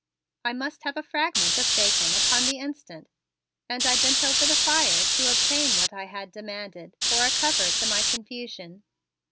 "I must have a fragment of bacon upon the instant." And I bent over the fire to obtain what I had demanded for a cover to my confusion.